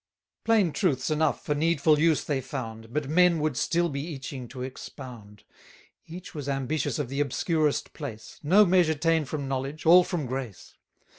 Plain truths enough for needful use they found; But men would still be itching to expound: 410 Each was ambitious of the obscurest place, No measure ta'en from knowledge, all from grace.